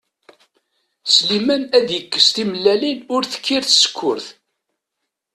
Sliman ad d-ikkes timellalin ur tekkir tsekkurt.